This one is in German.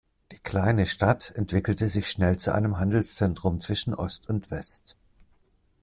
Die kleine Stadt entwickelte sich schnell zu einem Handelszentrum zwischen Ost und West.